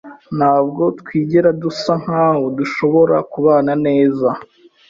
Ntabwo twigera dusa nkaho dushobora kubana neza.